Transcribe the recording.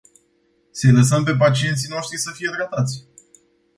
Să-i lăsăm pe pacienții noștri să fie tratați.